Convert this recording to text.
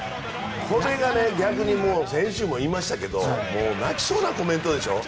これが逆に先週も言いましたけどもう泣きそうなコメントでしょう。